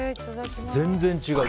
全然違う。